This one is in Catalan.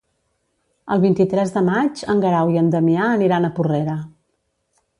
El vint-i-tres de maig en Guerau i en Damià aniran a Porrera.